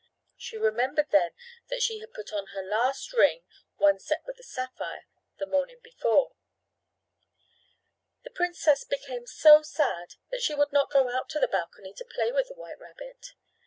She remembered then that she had put on her last ring, one set with a sapphire, the morning before. The princess became so sad that she would not go out to the balcony to play with the white rabbit.